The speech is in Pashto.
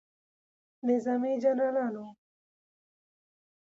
نظامي جنرالانو